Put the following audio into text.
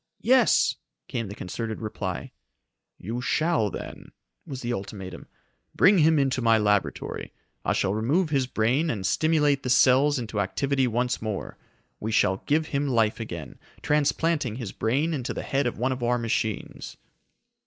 "Yes!" came the concerted reply. "You shall, then," was the ultimatum. "Bring him into my laboratory. I shall remove his brain and stimulate the cells into activity once more. We shall give him life again, transplanting his brain into the head of one of our machines."